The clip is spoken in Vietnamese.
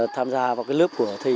tham gia vào cái lớp của thầy